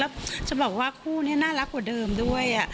แล้วจะบอกว่าคู่นี้น่ารักกว่าเดิมด้วย